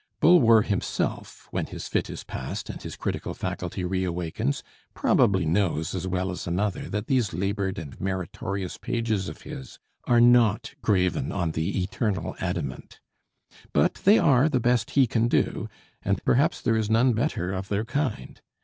Bulwer himself, when his fit is past, and his critical faculty re awakens, probably knows as well as another that these labored and meritorious pages of his are not graven on the eternal adamant. But they are the best he can do, and perhaps there is none better of their kind.